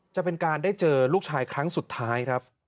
จะเป็นการได้เจอลูกชายครั้งสุดท้ายครับ